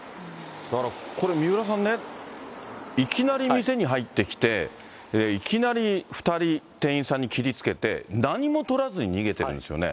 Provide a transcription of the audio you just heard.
だからこれ、三浦さんね、いきなり店に入ってきて、いきなり２人、店員さんに切りつけて、何もとらずに逃げてるんですよね。